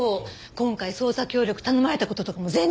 今回捜査協力頼まれた事とかも全然言わないし。